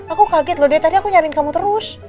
aku kaget loh deh tadi aku nyariin kamu terus